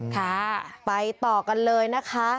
ค่ะไปต่อกันเลยนะคะ